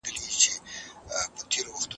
د دوی ورځني کارونه څنګه منظم کيدلای سي؟